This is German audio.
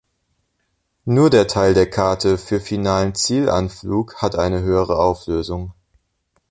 Nur der Teil der Karte für finalen Zielanflug hat eine höhere Auflösung.